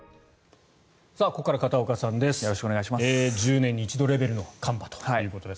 ここから片岡さんです。